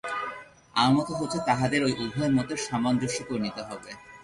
আমার মত হচ্ছে তাঁহাদের ঐ উভয় মতের সামঞ্জস্য করে নিতে হবে।